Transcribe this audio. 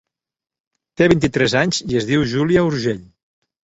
Te vint-i-tres anys i es diu Júlia Urgell.